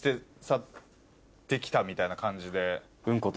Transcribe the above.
みたいな感じで。